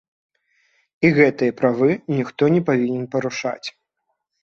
І гэтыя правы ніхто не павінен парушаць.